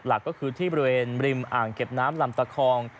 หลักก็คือที่บริเวณริมอ่างเก็บน้ำลำตะคอง